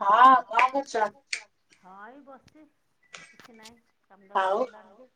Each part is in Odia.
ହଁ। କଣ କରୁଛ? ହଁ ବି ବସିଛି କିଛି ନାହିଁ। କମ ଦାମ ସରିଲଣି?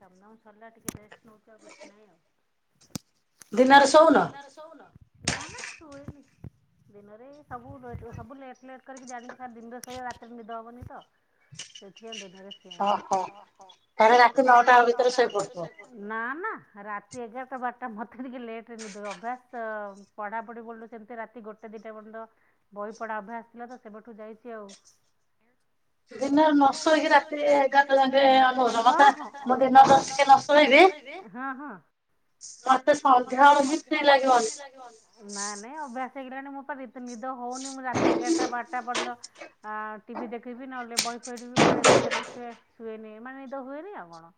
କଦ ସରିଲା ଟିକେ ରେଷ୍ଟ ନଉଛ ଆଉ କିଛି ନହିଁ ଆଉ। ଦିନରେ ଶଉନ? ନା ନା ଶୋଇନି ଦିନରେ ସବୁ ସବୁ ଲେଟ ଲେଟ କରିକି ଜାଣିକି ଦିନରେ ଶୋଇଲେ ରାତିରେ ନିଦ ହବନି ତ। ସେଥିପାଇଁ ଦିନରେ ଶୁଏନି। ଓହୋ ତାହେଲେ ରାତି ନଅଟା ଭିତରେ ଶୋଇପଡୁଥିବ। ନାଁ ନାଁ। ରାତି ଏଗାରଟା ବାରଟା ମୋତେ ଟିକେ ଲେଟ୍ ରେ ନିଦ ଅଭ୍ୟାସ ତ ପଢ଼ାପଢ଼ି ବେଳରୁ ସେମିତି ରାତି ଗୋଟେ ଦିଇଟା ପର୍ଯ୍ୟନ୍ତ ବହି ପଢ଼ା ଅଭ୍ୟାସ ଥିଲା ତ ସେବେ ଠୁ ଯାଇଛି ଆଉ ଦିନରେ ନଶୋଇକି ରାତିରେ ଏଗାର ଟା ଜାକେ ହଁ ହଁ ଦିନରେ ଟିକେ ନଶୋଇବି ହଁ ହଁ। [inaudible] ମତେ ସନ୍ଧ୍ୟା ବେଳହିଁ ଫ୍ରୀ ଲାଗିବନି ଅଧିକା ନାଇଁ ନାଇଁ ଅଭ୍ୟାସ। [unintelligible] ତ ନିଦ ହଉନିଁ ମୁଁ ରାତି ଏଗାରଟା ବାର୍ ଆଠଟା ପର୍ଯ୍ୟନ୍ତ ଆ ଟିଭି ଦେଖିବି ନହେଲେ ବହି ଫହି ରୁ କଣ ଏମିତି କରିବି ଶୁଏନି ମାନେ ନିଦ ହୁଏନି ଆଉ କଣ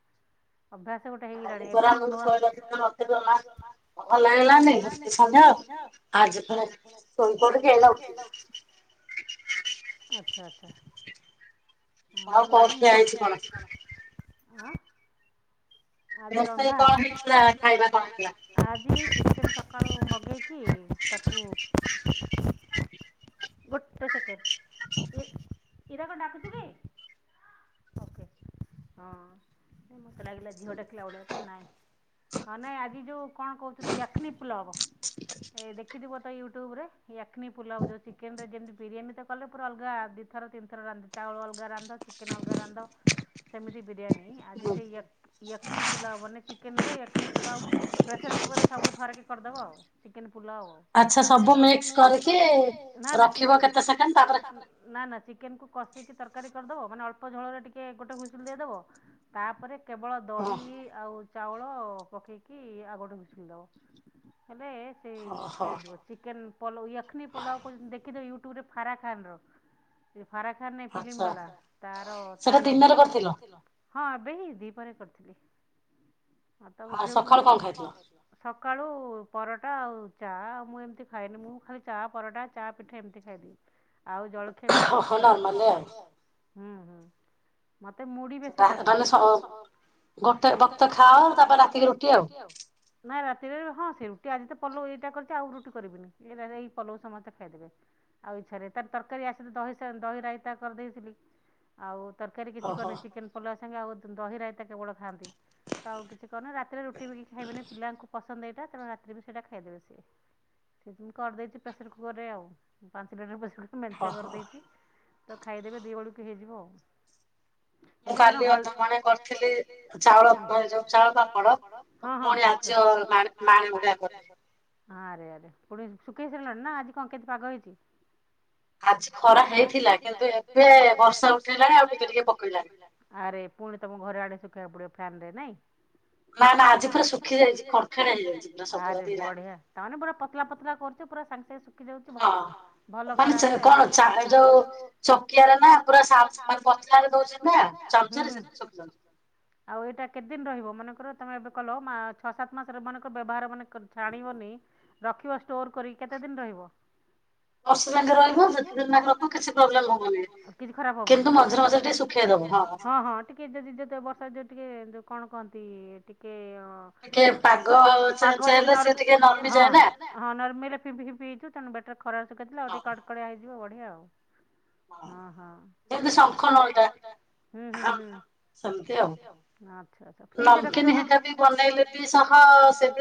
ଅଭ୍ୟାସ [unintelligible] ଆଜି ପୁଣି ଶୋଇପଡିକି ଏଇନେ ଉଠିଲି। ଆଛା ଆଛା। ଆଉ କଣ ଖିଆ ହେଇଛି କଣ? ଆଁ। ଆଜିି ରନ୍ଧା, ଆଜିି କଣ ହେଇଥିଲା ଖାଇବା କଣ ହେଇଥିଲା? ଆଜି ଟିଫିନ୍ ସକାଳୁ ମଗେଇକି କି ତାକୁ ଗୋଟେ ସେକେଣ୍ଡ। [unintelligible] ମୀରା କଣ ଡାକୁଚୁ କି? ଓକେ ହଁ ମତେ ଲାଗିଲା ଝିଅ ଡାକିଲା ଭଳିଆ ତ ନାଇ, ହଁ ନାଇଁ ଆଜି ଯୋଉ କଣ କହୁଛନ୍ତି ୟାକ୍ନି ପୁଲାଓ ହବ ଏ ଦେଖ ଦେଖିଥିବ ତ ୟୁଟ୍ୟୁବରେ ୟାକ୍ନି ପୁଲାଓ ଯୋଉ ଚିକେନ ରେ ଯେମିତି ବିରିୟାନୀ ତ କଲେ ପୁରା ଅଲଗା ଦିଥର ତିନିଥର ରାନ୍ଧ ଚାଉଳ ଅଲଗା ରାନ୍ଧ ଚିକେନ୍ ଅଲଗା ରାନ୍ଧ ସେମିତି ବିରିୟାନୀ ଆଜି ସେଇୟା ୟାକ୍ନି ପୁଲାଓ ମାନେ ଚିକେନ ର ୟାକ୍ନି ପୁଲାଓ ପ୍ରେସର କୁକରରେ ସବୁ ଥରେକେ କରିଦବ ଆଉ ଚିକେନ ପୁଲାଓ, ଆଚ୍ଛା ସବୁ ମିକ୍ସ କରିକି ନା ନା ରଖିବ କେତେ ସେକେଣ୍ଡ ତାପରେ ନା ନା ଚି ଚିକେନ କୁ କସିକି ତରକାରୀ କରିଦବ ମାନେ ଅଳ୍ପ ଝୋଳ ରେ ଟିକେ ଗୋଟେ ହୁଇସିଲ୍ ଦେଇଦବ ତାପରେ କେବଳ ଦହି ଆଉ ଚାଉଳ ପକେଇକି ଆଉ ଗୋଟେ ହୁଇସିଲ୍ ଦବ। ହେଲେ ସେଇ ହେଇଯିବ ଚିକେନ ପଲଉ ୟାକ୍ଷ୍ନୀ ପୁଲାଓ କହୁଛନ୍ତି ଦେଖିଚ ୟୁଟୁବ୍ ୟୁଟ୍ୟୁବରେ ଫାରା ଖାନ ର ଫାରା ଖାନ୍ ଏଇ ଫିଲ୍ମ ବାଲା ତାର ତାର, ସେଇଟା ଦିନରେ କରିଥିଲ ହଁ ଏବେ ହିଁ ଦିପହରେ କରି [inaudible] ଆଉ ତମ ଝିଅ କଣ, ସକାଳୁ କଣ ଖାଇଚ? ସକାଳୁ ପରଟା ପରଟା ଆଉ ଚା ମୁଁ ଏମିତି ଖାଏନି, ମୁଁ ଖାଲି ଚା ପରଟା ଚା ପିଠା ଏମତି ଖାଇଦିିଏ। ଆଉ ଜଳଖିଆ ବେଶୀ କିଛି କରେନି ହୁଁ ହୁଁ ମତେ ମୁଢି ବେଶୀ ପସନ୍ଦ [inaudible] ଗୋଟେ ଭକ୍ତ ଖାଅଉ ତାପରେ ରାତିକ ରୁଟି ଆଉ ନାଇ ରାତିରେ ହଁ ସେ ରୁଟି ଆଜି ତ ପୋଲଉ ଏଇଟା କରିଛି ଆଉ ରୁଟି କରିବିନି ଏଇ ଏଇ ପୋଲଉ ସମସ୍ତେ ଖାଇଦେବେ ଆଉ ଇଚ୍ଛାରେ ତାର ତରକାରୀ ଆସେ ଦହି ଦହି ରାଇତା କରିଦେଇଥିଲି ଆଉ ତରକାରୀ କିଛି କରିନି ଚିକେନ ପଲ ସାଙ୍ଗେ ଆଉ ଦହିରାଇତା କେବଳ ଥାନ୍ତି। ତ ଆଉ କିଛି କରିନି ରାତିରେ ରୁଟି ବି କିଛି ଖାଇବନି ପିଲାଙ୍କୁ ପସ ତମେ ଏଇଟା ତେଣୁ ରାତିରେ ସେଟା ଖାଇଦେବେ ସି ମୁଁ କରିଦେଇଛି ପ୍ରେସର କୁରରେ ଆଉ ପାତ୍ର ରେ ମେଞ୍ଚା କରିଦେଇଛି ତ ଖାଇଦେବେ ଦୁଇ ବେଳକୁ ହେଇଯିବ ଆଉ ମୁଁ କାଲି ଅଧମାଣେ କରିଥିଲି ଚାଉଳ ଯୋଉ ଚାଉଳ ପା ପଡ ପୁଣି ଆଜି ମାଣି ଭୁଡଆ କଲେ ହଁ ଆରେ ଆରେ ପୁଣି ଶୁଖେଇ ସାରିଲଣି ନା ଆଜି କଣ କେମିତି ପାଗ ହେଇଛି? ଆଜି ଖରା ହେଇଥିଲା କିନ୍ତୁ ଏବେ ବର୍ଷା ଉଠେଇଲାଣି ଆଉ ଟିକେ ଟିକେ ପକେଇଲାଣି। ଆରେ ପୁଣି ତମ ଘରେ ଆଡେ ଡ଼ ଫେନରେ ନାଇଁ। ଆରେ ବଢିଆ ତା ମାନେ ପୁରା ପତଲା ପତଲା କରୁଛ ପୁରା ସାଙ୍ଗେ ସାଙ୍ଗେ ଶୁଖି ଯାଉଛି। ଭଲ ଖରା ହେଲେ [inaudible] ଆଉ ଏଇଟା କେତେ ଦିନ ରହିବ ମନେଙ୍କର ତମେ ଏବେ କଲ ଛଅ ସାତ ମାସରେ ମନେଙ୍କର ବ୍ୟବହାର ମାନେ ଛାଣିବନି ରଖିବ ଷ୍ଟୋର କର କେତେ ଦିନ ରହିବ? କି ଖରାପ ହବନି ନା ହଁ ହଁ ଟିକେ ଯି ଟିକେ କଣ କହନ୍ତି ଟିକେ ପାଗ ଯଦି ହଁ ହଁ ନର୍ମିରେ ଫିମ୍ପି ଫିମ୍ପି ହେଇଯିବ ତେଣୁ ବେଟରେ ଖରା ଶୁଖେଇଦେଲେ ଆଉ ଟିକେ କଡ଼କଡିଆ ହେଇ ଯିବ ବଢିଆ ଆଉ। ହଁ ହଁ [inaudible] ହୁଁ ହୁଁ ହୁଁ [inaudible] ଆଚ୍ଛା ଆଚ୍ଛା ଫ୍ରୀଜ ରେ ରଖି ଦଉନା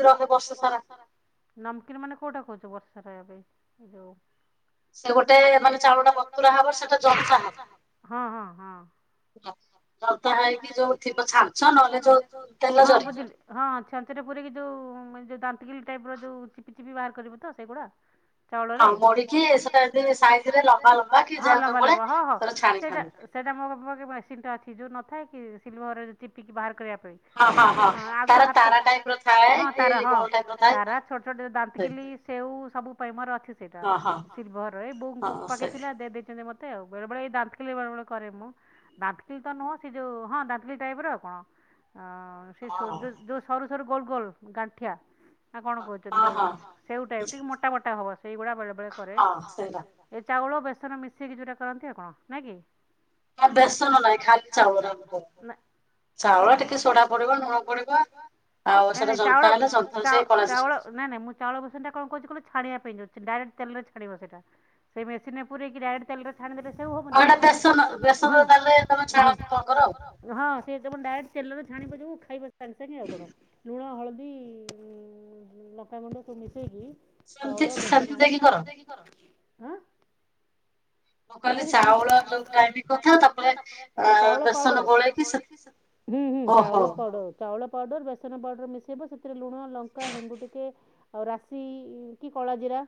[inaudible] ନମକିନ୍ ମାନେ କୋଉଟା କହୁଛ ଷ ସାବେେ ଏଇଯଉ ସେ ଗୋଟେ ମାନେ ଚାଉଳ ଟା ପତୁର ହବ ସେଟା ଜତା ହବ। ଜନ୍ତା ହେଇକି [inaudible] ଯୋଉ ଦାନ୍ତକିଲ ଟାଇପ ର ଯୋଉ ଚିପି ଚିପି ବାହାର କରିବୁ ତ ସେଇଗୁଡା ଚାଉଳରେ [inaudible] ଲମ୍ବା ଲମ୍ବା ହଁ ହଁ ସେଟା ସେଟା ମୋ ପାଖ ମେସିନଟା ଅଛି କିଜୁ ଥା କି ସିଲିଭର ଚିପିକି ବାହାର କରିବା ପାଇଁ ଆଗରୁ ହାତରେ ହଁ ତାରା ହଁ ତାରା ଛୋଟ ଛୋଟ ଦାନ୍ତକିଲି ସେଉ ସବୁ ପାଇଁ ମୋର ସେଇଟା ସିଲଭର ଏଇ ବୋଉଙ୍କ ପାକେ ଥିଲା ଦେଇ ମତେ ଏମିତି ଆଉ ବେଳେ ବଳେ ଏଇ ଦାଖିଲ ବେଳେବେଳେ କରେ ମୁଁ ଦାଖିଲି ତ ନୁହଁ। ସେ ଯୋଉ ହଁ ଦାଖିଲି ଟାଇପ ର ଆଉ କଣ? ହଁ ସେ ସ ଯୋଉ ସ ର ଗୋଲ ଗୋଲ ଗାଣ୍ଠିଆ। ଆ କଣ କହୁଛନ୍ତି ଯୋଉ ସେଉ ଟାଇପ ଟିକେ ମୋଟା ମୋଟା ହବ। ସେଇଗୁଡା ବେଳେ ବେଳେ କରେ ଏ ଚାଉଳ ବ ମିଶେଇକି ଯୋଉଟା କରନ୍ତି ଆପଣ ନାଇଁ କି। ବେସନ ନାଇଁ ଖାଲି ନାଇଁ ଚାଉଳ ଚାଉଳ ନାଇଁ ନାଇଁ ମୁଁ ଚାଉଳ ବସ ଟା କଣ କହୁଛି କହିଲ ଛାଣିବା ପାଇଁ ଯାଉଛି। ଡାଇରେକ୍ଟ ତଲ ଛାଡିବ ସେଇଟ ସେ ମେସିନ ରେ ପୁରଇକି ଡାଇରେକ୍ଟ ତଲ ଛାଣିଦେଲେ ସବୁ ହବନି କଣ ବେଶନ ବେସନରୁ ତା ହେଲେ ଛାଣ ହଁ। ସେ ଜଉ ଡାଇରେକ୍ଟ ତେଲରେ ଛାଣି ପାରିବ ଖାଇ ପାରିବ। ସାଙ୍ଗେ ସାଙ୍ଗେ ହବ ଲୁଣ ହଳଦୀ ପଲି ଲଙ୍କାଗୁଣ୍ଡକୁ ମିଶାଇକି ଚାଉଳ ବେସନ ହଁ। ମୁଁ କହିଲି ଚାଉଳ ତୁ ଗ୍ରାଇଣ୍ଡିଙ୍ଗ କରିଥା ତାପରେ ବେସନ ଗୋଳେଇ କି ହୁଁ ହୁଁ ଚାଉଳ କୁଆଡୁ ଚାଉଳ ପାଉଡ଼ର ବେସନ ପାଉଡ଼ର ମିଶାଇବ ସେଥିରେ ଲୁଣ ଲଙ୍କା ହେଙ୍ଗୁ ଟିକେ ଆଉ ରାଶି କି କଳା ଜିରା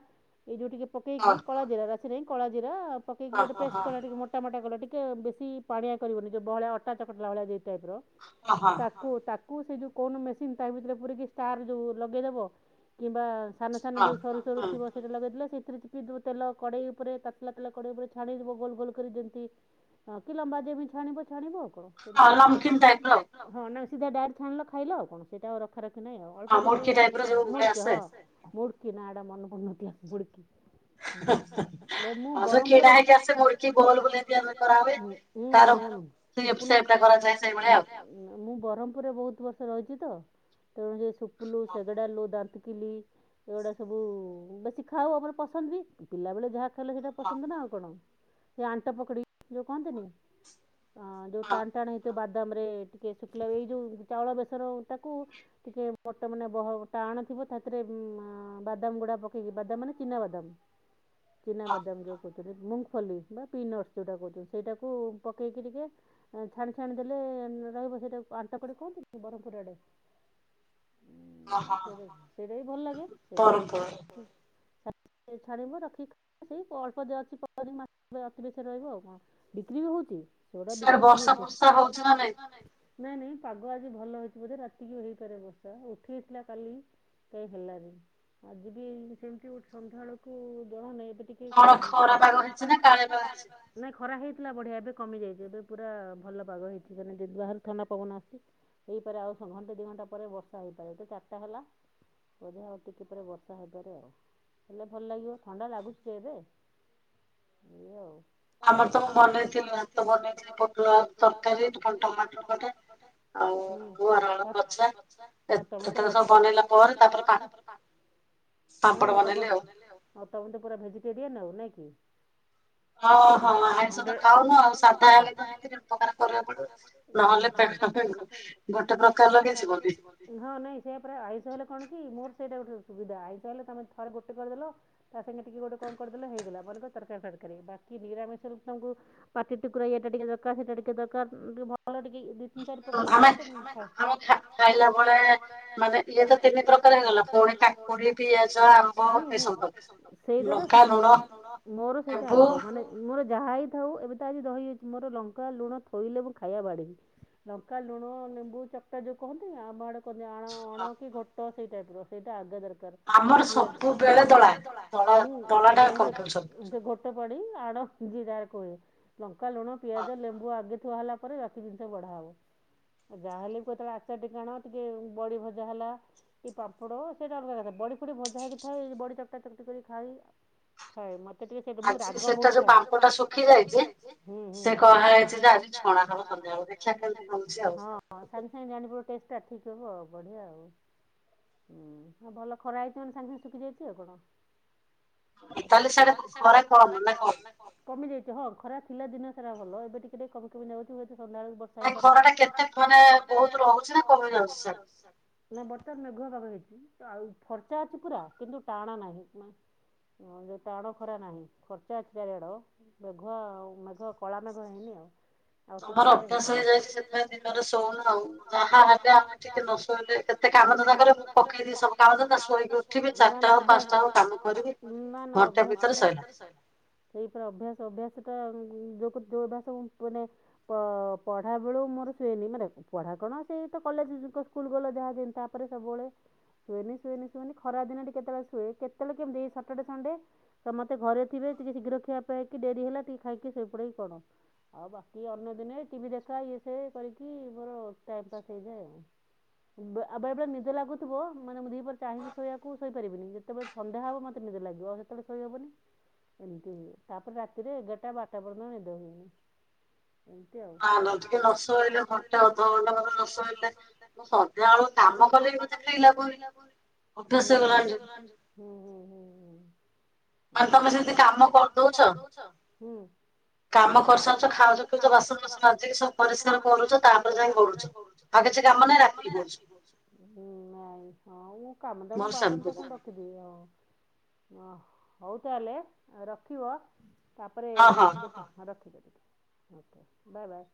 ଏଥିରୁ ଟିକେ ପକେଇ କି କଳାଜିରା ରାଶି ସେଥିରେ କଳା ଜିରା ପକେଇକି ଗୋଟେ ପେଷ୍ଟ କଲେ ଟିକେ ମୋଟା ମୋଟା କଲେ ଟିକେ ଟିକେ ବେଶି ପାଣିଆ କରିବନି। ବହଳିଆ ଅଟା ଚକଟିଲା ଭଳିଆ ଚକଟି ତା ତାକୁ ତାକୁ ତା କୁ ସେ ଯେଉଁ କଣ ମେସିନ୍ ତା ଭିତରେ ପୁରେଇ କିି ଷ୍ଟାର୍ ଯେଉଁ ଲଗେଇଦେବ କିମ୍ବା ସାନ ଥାନ ଯେଉ ସରୁ ସରୁ ଥିବ ସେଠୀ ଲଗେଇଥିଲା ସେ ତେଲ କଡେଇ ଉପରେ ତାତିଲା ତେଲ କଡେଇ ଉପରେ ଛାଣିବ ଗୋଲ ଗୋଲ କରି ଯେମିତି କି ଲମ୍ବା ଯେମିତି ଛାଣିବ। ଛାଣିବ। [unintelligible] ସିଧା ଡାଇରେକ୍ଟ ଆଣିଲ ଖାଇଲ ଆଉ କଣ ସେଇଟା ଆଉ ରଖା ରଖି ନାଇଁ ଆଉ ଅଳ୍ପ ଦିନରେ ମୁଡକି ଟାଇପର ମୁଡ଼କି ହଁ। ମୁୁଡ଼କି ନାଆଁଟା ମନେ ପଡୁନଥିଲା ମୁଡକି। ଏ ମୁଁ ବ୍ରହ୍ମପୁର ମୁଡକି ହୁଁ ଆ। ସେ ସେପ ଟା କରାଯାଏ ସେ ଭଳିଆ ଆଉ ମୁଁ ବ୍ରହ୍ମପୁରରେ ବହୁତ ବର୍ଷ ରହିଛି। ଯିବି ତ ତେଣୁ ସୁପଲୁ ସେଗଡ଼ାଲୁ ଦାନ୍ତ ପିଲି ଏଗୁଡ଼ା ସବୁ ବେଶୀ ଖାଉ ଆମର ପସନ୍ଦ ବି। ପିଲାବେଳେ ଯାହା ଖାଇଲେ ସେଇଟା ପସନ୍ଦ ନା ଆଉ କଣ? ସେ ଆଣ୍ଟା ପକଡି ଯଉ କହନ୍ତିନି। ହଁ ଯୋଉ ଟାଣ ଟାଣ ହେଇ ଥିବ ବାଦାମ ରେ ଟିକେ ଶୁଖିଲା ଏଇ ଯୋଉ ଚାଉଳ ବେସର ଟାକୁ ଟିକେ ମୋଟା ମାନେ ବହଳ ଟାଣ ଥିବ ସେଥିରେ ବାଦାମ ଗୁଡା ପକେଇକି ବାଦାମ ମାନେ ଚିନାବାଦାମ। ବିନା ବଦମଛି। ମୁଙ୍ଗଫଲି ବା ପିନଟ ଯଉଟାହୁଛନ୍ତି ସେଇଟାକୁ ପକେଇକ ଟିକେ ଛାଣି ଛାଣି ଦେଲେ ରହିବ ସେଇଟା ଆଣ୍ଟ ପଡି କୁହନ୍ତି ବ୍ରହ୍ମପୁର ଆଡେ। ସେଟ ସେଇଟାଇ ଭଲ ଲାଗେ ସେଟ ଛା ରଖିକିଇ ଅଳ୍ପ ଅ ଅତିିବେଶୀ ରହିବ ଆଉ ବିକ୍ରି ବି ହଉଛି। ସେଟା ବିକ୍ରି ବି ନାଇଁ ନାଇଁ ପାଗ ଆଜି ଭଲ ହେଇଛି ବୋଧେ। ରାତିକି ହେଇପାରେ ବର୍ଷା ଉଠି ହେଇଥିଲା କାଲି କାହିଁ ହେଲାନି ଆଜି ବି ସେମିତି ସନ୍ଧ୍ୟାବେଳକୁ ଜଣା ନାହିଁ। ଖରା ହେଇ ଥିଲା ବଢିଆ ଏବେ କମି ଯାଇଛି। ଯେବେ ପୁରା ଭଲ ପାଗ ହେଇଛି ମାନେ ଯେ ବାହାରୁ ଥଣ୍ଡା ପବନ ଆସିଛି। ହେଇପାରେ ଆଉ ଘଣ୍ଟେ ଦୁଇ ଘଣ୍ଟା ପରେ ବର୍ଷା ହେଇପାରେ। ତ ଚାରିଟା ହେଲା ବଧା ଆଉ ଟିକେ ପରେ ବର୍ଷା ହୋଇପାରେ ଆଉ ହେଲେ ଭଲ ଲାଗିବ ଥଣ୍ଡା ଲାଗୁଛି ଯେ ଏବେ ଇ ଆଉ। ଆମର ତ ବନେଇଥିଲି ତ ବନେଇଥିଲି। [unintelligible] ଉ ନହିଁ କିି। ଓହୋ ଆଇଷ ତ ଖାଉନୁ ଆଉ ସାଧା ହେ ହଁ ନାଇଁ ସେ ପୁରା ଆୟୁଷ ହେଲେ କଣ କି ମୋର ସେଇଟା ଗୋଟେ ସୁବିଧା ଆଇସଲେ ତମେ ଥରେ ଗୋଟେ କରିଦଲ ତା ସାଙ୍ଗେ ଟିକେ ଗୋଟେ କଣ କରିଦେଲ ହେଇଗଲା ବ ତରକାରୀ ଫରକାରୀ ବାକି ନିରାମରମକୁ ପାଟି ଟୁକୁ ଟିକେ ଦରକାର ସେଟା ଟିକେ ଦରକାର ଟ କଣ ଟିକେ ଦି ତିନି ଚାରି ପ୍ରକାରେ କଲେ [unintelligible] ହୁଁ ହୁଁ ସେଇଟା ବା ମୋର ସେଇଟା ଆଗ। ଯାହା ହେଇଥାଉ ଏବେ ତ ଆଜି ଦହି ମୋର ଲଙ୍କା ଲୁଣ ଥୋଇଲେ ମୁଁ ଖାଇବା ବାଡ଼ିବି। ଲଙ୍କା ଲୁଣ ଲେମ୍ବୁ ଚଟା ଯେଉଁ କୁହନ୍ତି ଆଉ ବାଡ଼ କହନ୍ତି ଆଣ ଅଣ କି ଗୋଟ ସେ ଟାଇପ୍ ର ସେଟା ଆଗ ଦର୍ [unintelligible] ପଡି ଆଡ ଜିର କୁଏ ଲଙ୍କା କା ଲୁଣ ପିଆଜ ଲେମ୍ବୁ ଆଗ ଠୁଆ ହେଲା ପରେ ରାତି ଜିନିଷ ବଢ଼ା ହେବ ଆଉ ଯାହାହଲେ ବି କେତେବେଳେ ଆଚାର ଟିକାଣ ଟିକିେ ବଡ଼ି ଭଜା ହେଲା ଟିକେ ପାମ୍ପୁଡ଼ ସେଇଟା ଅଲଗା କଥା ବଡ଼ି ଫୁଡ଼ି ଭଜା ହେଇକି ଥାଏ ବଡ଼ି ଚକଟା ଚକଟିିକ ଖାଇ ଥାଏ ମୋତେ ଟିକେ ସେ ରା ବହୁ ହୁଁ ହୁଁଁ ସାଙ୍ଗେ ସାଙ୍ଗେ ଜାଣି ଠିକ ଶଖବ ଆଉ ବଢିଆ ଆଉଁ ଆଉ ଭଲ ଖରା ହେଇଛି ମାନେ ସାଙ୍ଗେ ସାଙ୍ଗେ ଶୁଖି ଯାଇଛି ଆଉ କଣ। ତାହଲେ ସେ କ କମି ଯାଇ ହଁଉ ଖରା ପଥିଲା ଦିନ ସାରା ଭଲ ଏବେ ଟିକେ ଟ କିମି ଯାଉଚି। ବର୍ଷା ହେଇ ବର୍ତ୍ତମାନ ମେଘ ପାାଗ ହେଇଛି। ଆଉ ଖର୍ଚା ଅଛି ପୁରା କିନ୍ତୁ ଟାଣ ନାହିଁ ଟାଣ ଖରା ନାହିଁ ଖର୍ଚା ଅଛି ଚାରିଆଡ ବେଘୁଆ ଆଉ। ମେଘ କଳା ମେଘ ହେଇନି ଆଉ। ଆଉ ଟିକେ ପରେ ହେ ମୋର ଅଭ୍ୟାସ ହେଇଯାଇଛି ସେଥି ପାଇଁ ଦିନ ରେ ସୋଉନ ଆଉ ଯାହା ହେଲେ ଆମେ ଟିକେ ନ ଶୋଇଲେ ଏତେ କାମ ଧନ୍ଦା ଫୁଣୀ ପକେଇଦେଇକି ସବୁ କାମ ଧନ୍ଦା ଶୋଇକି ଉଠିକି ନା ନା ଚାର ଟା ହଉ ପାନସ ଟା ହଉ କାମ କରିକୀ ନା ନା ଅଭ୍ୟାସ୍ତ୍ର ଘଣ୍ଟେ ଭିତରେ ସଇଲା ଏହି ପରା ଅଭ୍ୟାସ ଅଭ୍ୟାସ ଟା ଯୋଉ ଯୋଉ ଭାସ ମାନେ ପଢା ବେଳୁ ମୋର ଶୁଏନି ମାନେ ପଢା କଣ ସେଇ ତ କଲେଜ ସ୍କୁଲ ଗଲ ଯାହା ଯେ ତାପରେ ସବୁବେଳେ ଶୁଏନି ଶୁଏନି ଶୁଏନି ଖରା ଦିନ ଟ କେତେବେଳେ ଶୁଏ କେତେବେଳେ କେମିତି ସାଟାଡେ ସଣ୍ଡେ ସମସ୍ତେ ଘରେ ଥିବେ ଟିକେ ଶୀଘ୍ର ଖିଆ ପିଇକି ଡେରି ହେଲା। ପି ଶୋଇପଡେ କି କଣ ଆଉ ବାକି ଅନ୍ୟ ଦିନେ ଟିଭି ଦେଖା ଇଏ ସେ କରିକି ମୋର ଟାଇମ ପାସ ହେଇଯାଏ ଆଉ ଆବେ ନିଦେ ଲାଗୁଥିବ ମାନେ ମୁଁ ଦିପହର ଚାହିଁବି ଶୋଇବାକୁ ଶୋଇପାରିବିନି ଯେତେବେଳେ ସନ୍ଧ୍ୟା ହବ ମତେ ନିଦେ ଲାଗିବ ଆଉ ସେତେବେଳେ ଶୋଇହବନି ଏମିତି ହୁ ତାପରେ ରାତିରେ ଏଗାରଟା ପର୍ଯ୍ୟନ୍ତ ନିଦ ହୁଏନି। ଏମତି ଆଉ ନା ନା ଯଦି ନ ଶୋଇଲେ ଘଣ୍ଟି ଅଧ ଘଣ୍ଟା ମୋତେ କାମ କଲେ ବି ଆଉ ଫ୍ରି ଲାଗୁନି ହୁଁ ହୁଁ [unintelligible] ହୁଁ ହୁଁ ହୁଁ ଆ ତମେ ସେମିତି କାମ କରିଦଉଚ ହୁଁ କାମ କରିସାରଛ ଖାଉଚ ପିଉଚ ବାସନ କୁସନ ମାଜି କି ସବୁ ପରିଷ୍କାର କରୁଚ ତା ପରେ ଯାଇକି ଗଡୁଚ ଆଉ କିଛି କାମ ନାହିଁ ରାତିକି ହୁଁ ନାଇ ହଁ ମୁଁ କାମ ଦାମ ବାସନ କୁସନ ରଖିଦିଏ ହଁ ହଁ ହଉ ତାହେଲେ ରଖିବ। ତାପରେ ହଁ ରଖିଦେ ବାଏ ବାଏ।